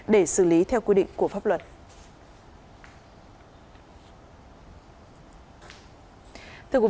để xử lý theo quy định của pháp luật